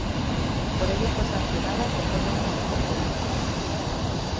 Por ello fue sancionada con dos años sin competir.